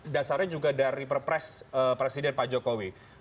dasarnya juga dari perpres presiden pak jokowi